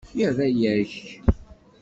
Ira-k!